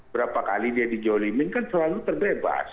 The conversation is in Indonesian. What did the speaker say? berapa kali dia dijolimin kan selalu terbebas